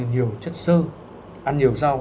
nhiều chất sơ ăn nhiều rau